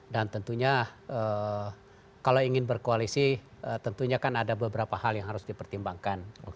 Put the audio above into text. tentunya kalau ingin berkoalisi tentunya kan ada beberapa hal yang harus dipertimbangkan